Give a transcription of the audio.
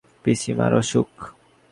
বিনোদিনী চমকিয়া উঠিল, কহিল, পিসিমার অসুখ?